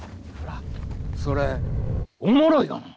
それおもろいがな。